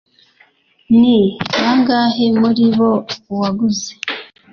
ni bangahe muri bo waguze